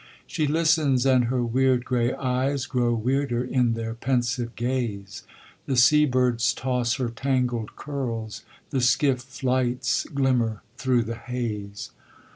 She listens and her weird gray eyes Grow weirder in their pensive gaze. The sea birds toss her tangled curls, The skiff lights glimmer through the haze.